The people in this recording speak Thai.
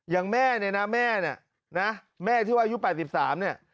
อย่างแม่เนี่ยนะแม่ที่ว่าอายุ๘๓เนี่ย